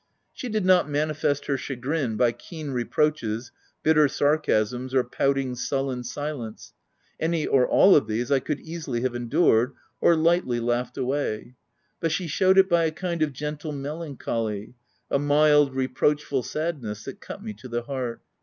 She did not manifest her chagrin by keen reproaches, bitter sarcasms, or pouting sullen silence — any or all of these I could easily have en dured, or lightly laughed away ; but she showed it by a kind of gentle melancholy, a mild, re proachful sadness that cut me to the heart.